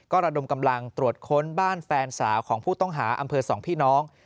ระดมกำลังตรวจค้นบ้านแฟนสาวของผู้ต้องหาอำเภอสองพี่น้อง